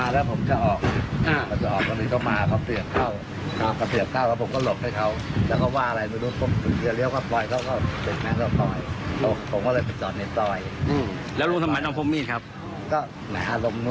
แล้วลูกทำไมนำของมีดครับ